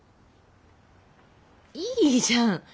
いいじゃん。